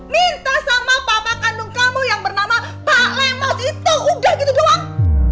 minta sama bapak kandung kamu yang bernama pak lemot itu udah gitu doang